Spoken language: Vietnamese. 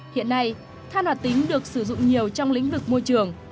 hiện nay than hoạt tính được sử dụng nhiều trong lĩnh vực môi trường